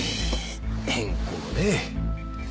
変更ね。